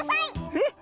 えっ？